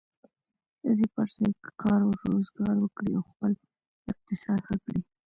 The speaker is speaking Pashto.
د دې پر ځای که کار و روزګار وکړي او خپل اقتصاد ښه کړي.